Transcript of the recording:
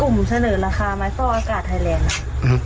กลุ่มเสนอราคาไม้ฟอกอากาศไทยแลนด์